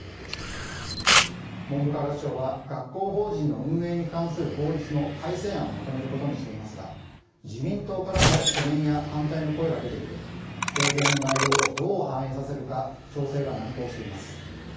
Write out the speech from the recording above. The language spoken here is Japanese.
文部科学省は学校法人の運営に関する法律の改正案をまとめることにしていますが自民党からも懸念や反対の声が出ていて提言の内容をどう反映させるか調整が難航しています。